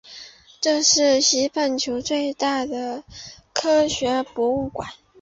它是西半球最大的科学博物馆。